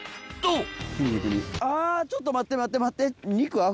あちょっと待って待って待って。